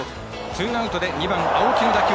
ツーアウトで２番、青木の打球